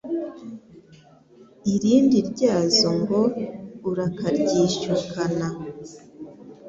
Irindi rya zo ngo urakaryishyukana.